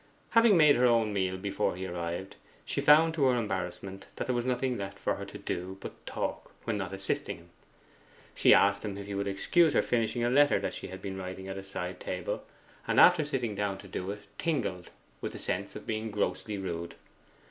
Having made her own meal before he arrived, she found to her embarrassment that there was nothing left for her to do but talk when not assisting him. She asked him if he would excuse her finishing a letter she had been writing at a side table, and, after sitting down to it, tingled with a sense of being grossly rude.